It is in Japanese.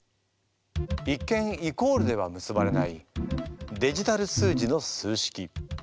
一見イコールでは結ばれないデジタル数字の数式。